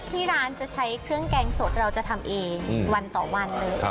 ที่ร้านจะใช้เครื่องแกงสดเราจะทำเองวันต่อวันเลย